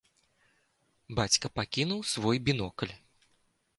Бацька пакінуў свой бінокль.